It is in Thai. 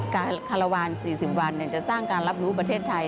คารวาล๔๐วันจะสร้างการรับรู้ประเทศไทย